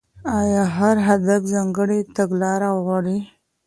ايا هر هدف ځانګړې تګلاره غواړي؟